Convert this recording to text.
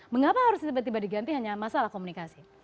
mengapa harus tiba tiba diganti hanya masalah komunikasi